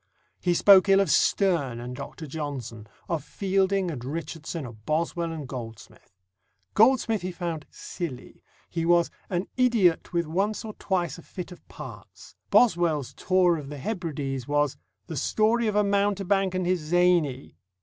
He spoke ill of Sterne and Dr. Johnson, of Fielding and Richardson, of Boswell and Goldsmith. Goldsmith he found "silly"; he was "an idiot with once or twice a fit of parts." Boswell's Tour of the Hebrides was "the story of a mountebank and his zany."